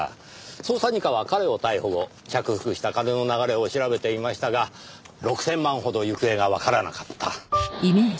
捜査二課は彼を逮捕後着服した金の流れを調べていましたが６千万ほど行方がわからなかった。